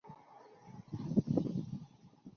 祖籍浙江宁波镇海。